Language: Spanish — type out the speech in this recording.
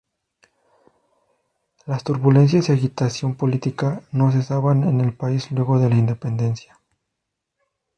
Las turbulencias y agitación política no cesaban en el país luego de la independencia.